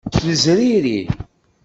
Nezriri.